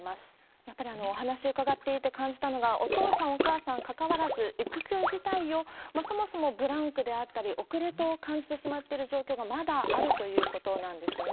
やっぱりお話伺っていて感じたのが、お父さん、お母さんかかわらず、育休自体をますますブランクであったり、遅れと感じてしまっている状況がまだあるということなんですよね。